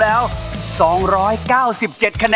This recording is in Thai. อ่าน